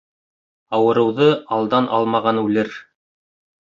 Ауырыуҙы алдан алмаған үлер